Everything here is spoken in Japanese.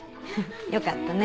よかったね。